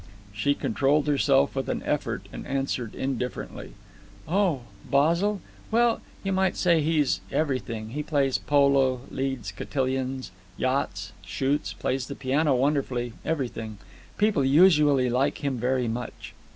She controlled herself with an effort, and answered indifferently. "Oh, Basil? Well, you might say he's everything. He plays polo, leads cotillions, yachts, shoots, plays the piano wonderfully—everything. People usually like him very much."